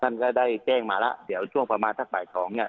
ท่านก็ได้แจ้งมาแล้วเดี๋ยวช่วงประมาณสักบ่ายสองเนี่ย